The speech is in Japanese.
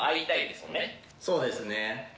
でそうですね。